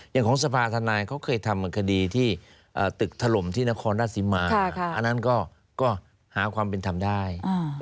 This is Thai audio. อย่างของสภาธนายเขาเคยทำคดีที่ตึกถล่มที่นครราชสีมาอันนั้นก็หาความเป็นธรรมได้